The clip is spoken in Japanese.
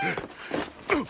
あっ！